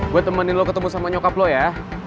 gue temenin lo ketemu sama nyokap lo ya